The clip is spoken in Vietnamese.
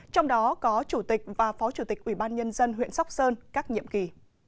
trong đó có chủ tịch và phó chủ tịch ủy ban nhân dân huyện sóc sơn các nhiệm kỳ